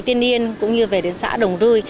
tiên yên cũng như về đến xã đồng rui